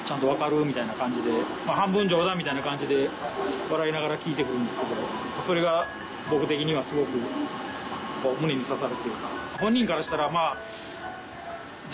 みたいな感じで半分冗談みたいな感じで笑いながら聞いてくるんですけどそれが僕的にはすごく胸に刺さるっていうか。